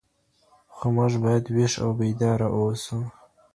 خو موږ باید ویښ او بیداره اوسو.